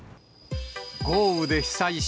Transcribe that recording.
豪雨で被災し、